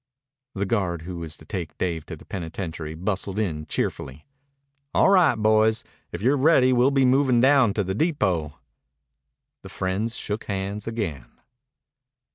The guard who was to take Dave to the penitentiary bustled in cheerfully. "All right, boys. If you're ready we'll be movin' down to the depot." The friends shook hands again.